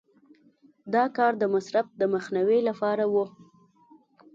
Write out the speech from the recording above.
دا کار د مصرف د مخنیوي لپاره و.